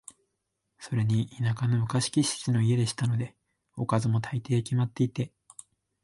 それに田舎の昔気質の家でしたので、おかずも、大抵決まっていて、